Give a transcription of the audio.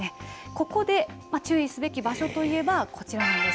ここで注意すべき場所といえばこちらなんです。